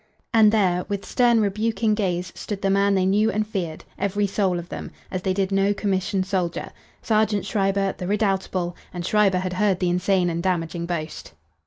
And there, with stern, rebuking gaze, stood the man they knew and feared, every soul of them, as they did no commissioned soldier in the th, Sergeant Schreiber, the redoubtable, and Schreiber had heard the insane and damaging boast.